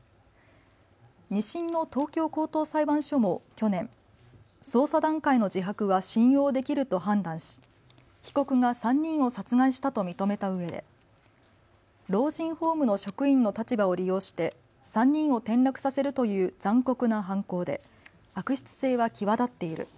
２審の東京高等裁判所も去年、捜査段階の自白は信用できると判断し被告が３人を殺害したと認めたうえで老人ホームの職員の立場を利用して３人を転落させるという残酷な犯行で悪質性は際立っている。